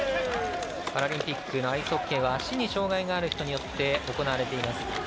パラリンピックのアイスホッケーは足に障がいのある人によって行われています。